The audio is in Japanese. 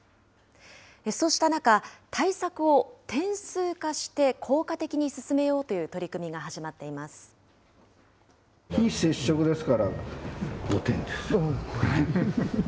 そうした中、対策を点数化して、効果的に進めようという取り組みが始まっています。